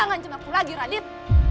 ngancam aku lagi radit